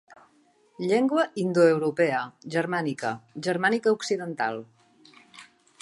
Llengua indoeuropea, germànica, germànica occidental.